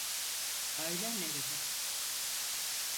Ailen nerede?